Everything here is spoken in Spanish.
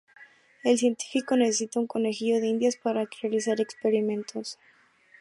El científico necesita un "conejillo de Indias" para realizar experimentos.